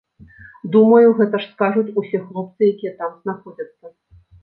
Думаю, гэта ж скажуць усе хлопцы, якія там знаходзяцца.